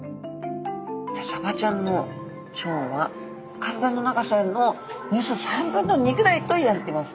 サバちゃんの腸は体の長さのおよそ３分の２ぐらいといわれてます。